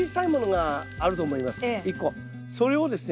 それをですね